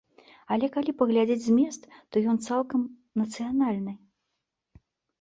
Але калі паглядзець змест, то ён цалкам нацыянальны.